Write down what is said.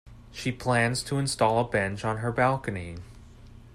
She plans to install a bench on her balcony.